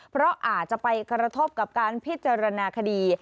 เพราะอาจจะไปกระทบกับการพิจารณาคดี